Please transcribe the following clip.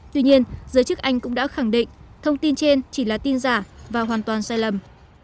tuy nhiên giới chức anh cũng đã khẳng định thông tin trên chỉ là tin giả và hoàn toàn sai lầm